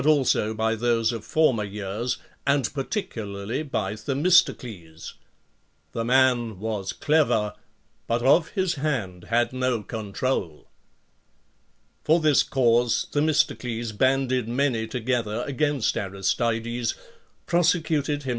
2 5 those of former years, and particularly by The mistocles — "The man was clever, but of his hand had no control," For this cause, Themistocles banded 'many to gether against Aristides, prosecuted him.